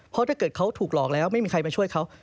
เพราะถ้าเกิดเขาถูกหลอกแล้วไม่มีใครมาช่วยเขา